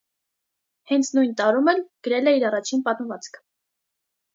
Հենց նույն տարում էլ գրել է իր առաջին պատմվածքը։